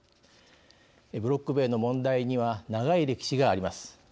ブロック塀の問題には長い歴史があります。